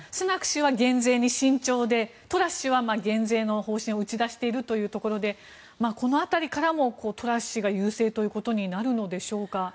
氏は減税に慎重でトラス氏は減税の方針を打ち出しているというところでこの辺りからもトラス氏が優勢ということになるのでしょうか？